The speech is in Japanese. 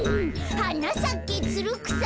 「はなさけつるくさ」